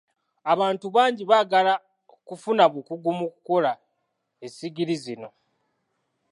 Abantu bangi baagala kufuna bukugu mu kukola essigiri zino.